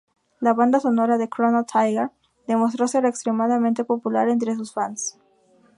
La banda sonora de "Chrono Trigger" demostró ser extremadamente popular entre sus fans.